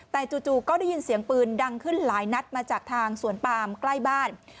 แต่จู่ก็ได้ยินเสียงปืนดังขึ้นหลายนัดมาจากทางสวนปามใกล้บ้าน